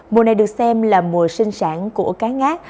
mùa này được xem là mùa sinh sản của cá ngát